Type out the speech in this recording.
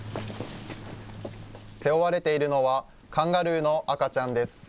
背負われているのは、カンガルーの赤ちゃんです。